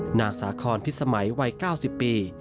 หน้าสาครพิษสมัยวัย๙๐ปี